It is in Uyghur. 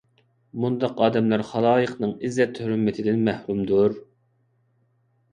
مۇنداق ئادەملەر خالايىقنىڭ ئىززەت - ھۆرمىتىدىن مەھرۇمدۇر.